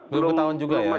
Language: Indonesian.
belum ketahuan juga ya